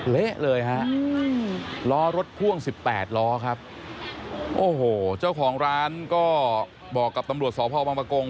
เละเลยฮะล้อรถพ่วงสิบแปดล้อครับโอ้โหเจ้าของร้านก็บอกกับตำรวจสพวังประกง